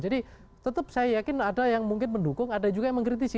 jadi tetap saya yakin ada yang mungkin mendukung ada juga yang mengkritisi